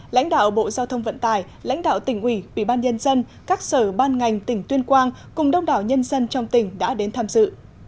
lãnh đạo bộ giao thông vận tải lãnh đạo tỉnh ủy bí ban nhân dân các sở ban ngành tỉnh tuyên quang cùng đông đảo nhân dân trong tỉnh đã đến tham dự